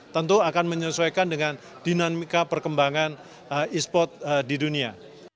tentu akan menyesuaikan dengan dinamika perkembangan esports di dunia